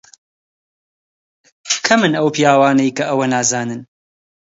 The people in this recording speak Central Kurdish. کەمن ئەو پیاوانەی کە ئەوە نازانن.